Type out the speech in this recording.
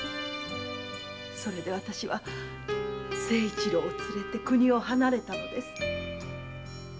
それで私は清一郎を連れて故郷を離れたのです。